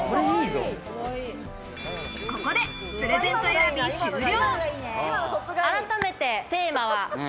ここでプレゼント選び終了。